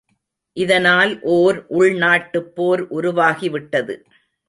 இதனால் ஓர் உள் நாட்டுபோர் உருவாகிவிட்டது.